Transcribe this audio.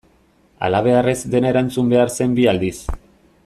Halabeharrez dena erantzun behar zen bi aldiz.